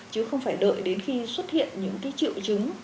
chứ không phải đợi đến khi xuất hiện những triệu chứng